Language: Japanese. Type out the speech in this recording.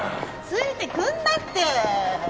ついてくんなって！